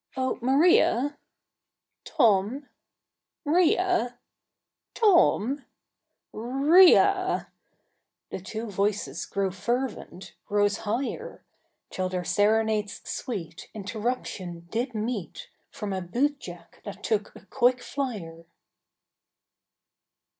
"Oh, Maria?" "Tom?" "'Ria!" "Tom!" "'R r ria!" The two voices grew fervent, rose higher Till their serenades sweet Interruption did meet From a bootjack that took a quick flyer.